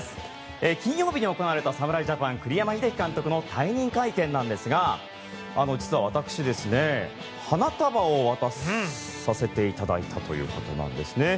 金曜日に行われた、侍ジャパン栗山英樹監督の退任会見ですが実は私、花束を渡させていただいたということなんですね。